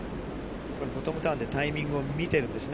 これ、ボトムターンでタイミングを見ているんですね。